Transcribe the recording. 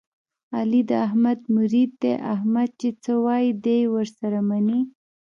علي د احمد مرید دی، احمد چې څه وایي دی یې ور سره مني.